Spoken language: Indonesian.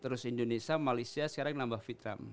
terus indonesia malaysia sekarang yang nambah fitram